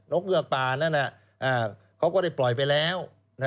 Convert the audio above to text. กเงือกป่านั่นเขาก็ได้ปล่อยไปแล้ว